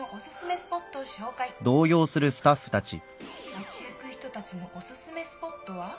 街行く人たちのおすすめスポットは？